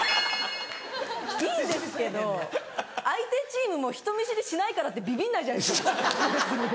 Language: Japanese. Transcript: いいですけど相手チームも人見知りしないからってビビんないじゃないですか。